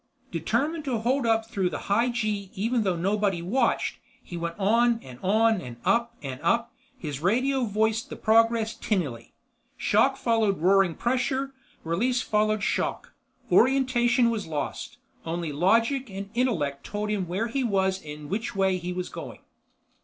Determined to hold up through the high G even though nobody watched, he went on and on and up and up, his radio voiced the progress tinnily. Shock followed roaring pressure, release followed shock. Orientation was lost; only logic and intellect told him where he was and which way he was going.